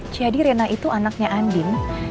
jadi reina itu anaknya andin